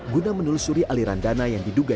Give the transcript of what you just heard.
guna menelusuri aliran dana yang diduga